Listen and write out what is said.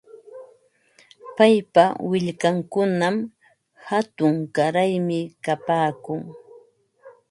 Paypa willkankunam hatun qaraymi kapaakun.